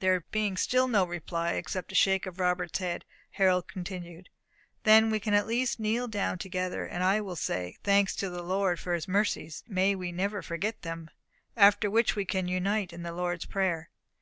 There being still no reply, except a shake of Robert's head, Harold continued: "Then we can at least kneel down together, and I will say, 'Thanks to the Lord for his mercies, and may we never forget them;' after which we can unite in the Lord's Prayer."